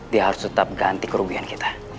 dia harus tetap ganti kerugian kita